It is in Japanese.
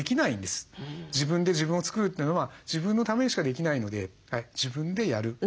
自分で自分を作るというのは自分のためにしかできないので自分でやる。